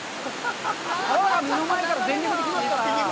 川が、目の前から全力で来ますから。